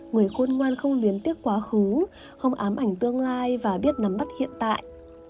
người khôn ngoan không luyến tiếc quá khứ không ám ảnh tương lai và biết nắm bắt hiện tại